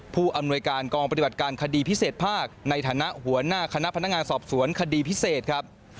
ผู้อำนวยการกองปฏิบัติการคดีพิเศษภาคในฐานะหัวหน้าคณะพนักงานสอบสวนคดีพิเศษครับ